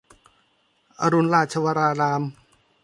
อรุณราชวราราม